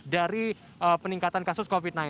dari peningkatan kasus covid sembilan belas